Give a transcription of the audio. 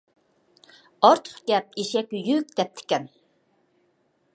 «ئارتۇق گەپ ئېشەككە يۈك» دەپتىكەن.